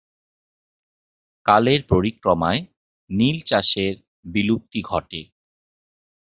কালের পরিক্রমায় নীল চাষের বিলুপ্তি ঘটে।